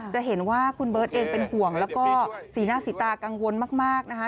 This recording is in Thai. จะเห็นว่าคุณเบิร์ตเองเป็นห่วงแล้วก็สีหน้าสีตากังวลมากนะคะ